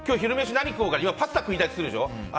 何食おうパスタ食いたいとするでしょ？